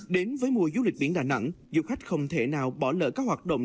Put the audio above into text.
đến với mùa du lịch biển đà nẵng du khách không thể nào bỏ lỡ các hoạt động